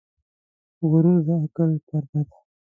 غرور د عقل پرده ده .